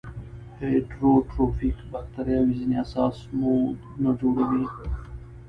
هیټروټروفیک باکتریاوې ځینې اساسي مواد نه جوړوي.